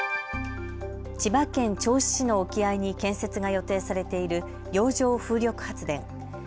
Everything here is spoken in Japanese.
千葉県銚子市の沖合に建設が予定されている洋上風力発電。